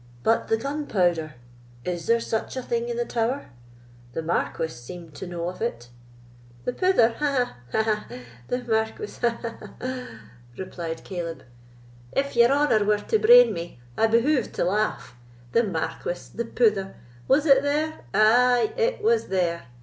"But the gunpowder—is there such a thing in the tower? The Marquis seemed to know of it." "The pouther, ha! ha! ha!—the Marquis, ha! ha! ha!" replied Caleb,—"if your honour were to brain me, I behooved to laugh,—the Marquis—the pouther! Was it there? Ay, it was there.